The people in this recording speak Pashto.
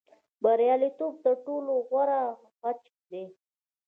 بریالیتوب تر ټولو غوره غچ دی.